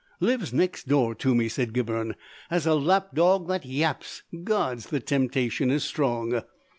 "Lives next door to me," said Gibberne. "Has a lapdog that yaps. Gods! The temptation is strong!"